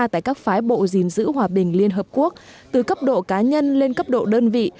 tại các phái bộ gìn giữ hòa bình liên hợp quốc từ cấp độ cá nhân lên cấp độ đơn vị